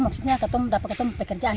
maksudnya kata kata dapat pekerjaan